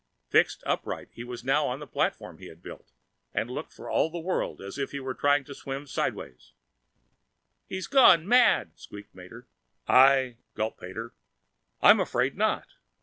Fixed upright as he was now on the platform he had built, he looked for all the world as if he were trying to swim sidewise. "He's gone mad!" squeaked Mater. "I ..." gulped Pater, "I'm afraid not."